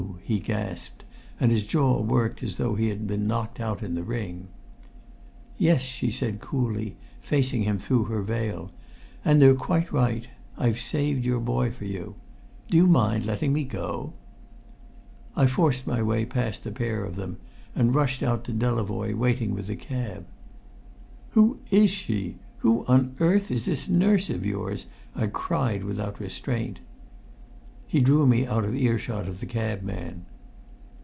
he gasped, and his jaw worked as though he had been knocked out in the ring. "Yes," she said coolly, facing him through her veil; "and they're quite right I've saved your boy for you. Do you mind letting me go?" I forced my way past the pair of them, and rushed out to Delavoye waiting with the cab. "Who is she? Who on earth is this nurse of yours?" I cried without restraint. He drew me out of earshot of the cab man.